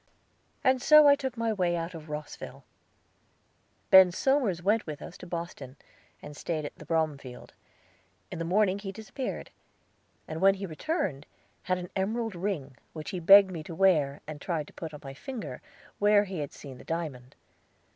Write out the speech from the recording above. And so I took my way out of Rosville. Ben Somers went with us to Boston, and stayed at the Bromfield. In the morning he disappeared, and when he returned had an emerald ring, which he begged me to wear, and tried to put it on my finger, where he had seen the diamond.